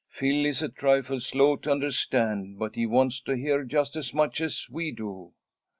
"Phil is a trifle slow to understand, but he wants to hear just as much as we do."